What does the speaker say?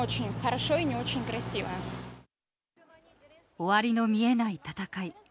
終わりの見えない戦い。